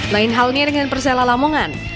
lain halnya dengan persela lamongan